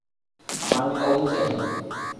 আমার মেয়ে অবুঝ এখনো।